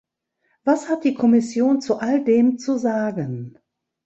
Was hat die Kommission zu all dem zu sagen?